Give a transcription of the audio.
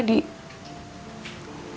gak mau diadopsi sama orang